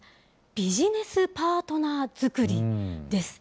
ビジネスパートナーづくりです。